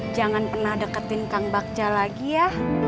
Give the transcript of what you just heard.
jangan pernah deketin kang bagja lagi ya